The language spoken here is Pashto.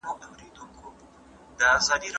سفر د خلکو له خوا کيږي؟!